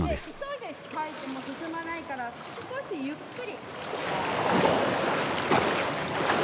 急いで掻いても進まないから少しゆっくり。